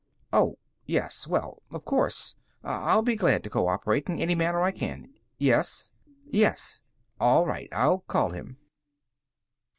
Oh. Yes. Well, of course, I'll be glad to co operate in any manner I can ... Yes ... Yes. All right, I'll call him."